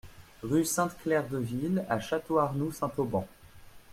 Rue Sainte-Claire Deville à Château-Arnoux-Saint-Auban